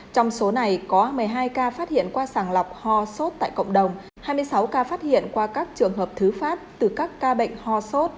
trong số này có một mươi hai ca phát hiện qua sàng lọc ho sốt tại cộng đồng hai mươi sáu ca phát hiện qua các trường hợp thứ phát từ các ca bệnh ho sốt